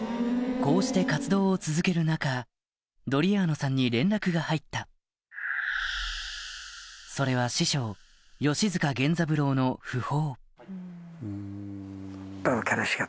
こうして活動を続ける中ドリアーノさんに連絡が入ったそれは師匠吉塚元三郎の訃報